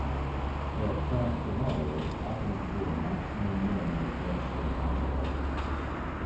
Electronic thermometers often include a maximum-minimum registering feature.